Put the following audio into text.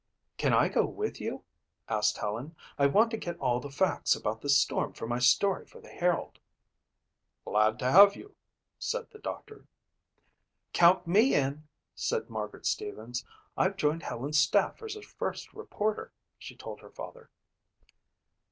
"Can I go with you?" asked Helen. "I want to get all the facts about the storm for my story for the Herald." "Glad to have you," said the doctor. "Count me in," said Margaret Stevens. "I've joined Helen's staff as her first reporter," she told her father.